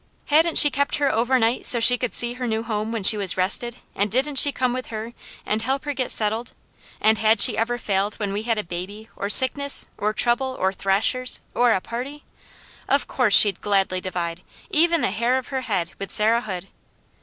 Hadn't she kept her over night so she could see her new home when she was rested, and didn't she come with her, and help her get settled, and had she ever failed when we had a baby, or sickness, or trouble, or thrashers, or a party? Of course she'd gladly divide, even the hair of her head, with Sarah Hood.